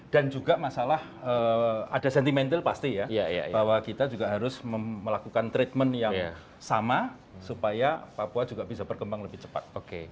dan juga masalah ada sentimental pasti ya bahwa kita juga harus melakukan treatment yang sama supaya papua juga bisa berkembang lebih cepat